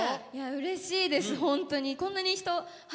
うれしいです本当に。